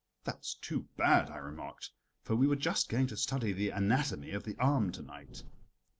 "That's too bad," I remarked. "For we were just going to study the ANATOMY of the arm to night."